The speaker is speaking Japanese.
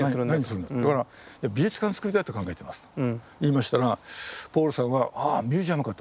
「美術館つくりたいと考えてます」と言いましたらポールさんは「ああミュージアムか」と。